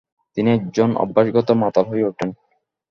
তিনি একজন অভ্যাসগত মাতাল হয়ে ওঠেন।